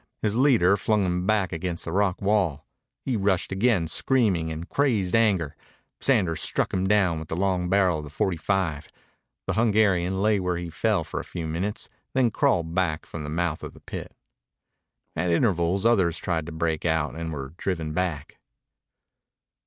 His leader flung him back against the rock wall. He rushed again, screaming in crazed anger. Sanders struck him down with the long barrel of the forty five. The Hungarian lay where he fell for a few minutes, then crawled back from the mouth of the pit. At intervals others tried to break out and were driven back.